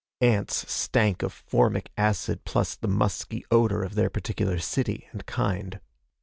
Ants stank of formic acid plus the musky odor of their particular city and kind.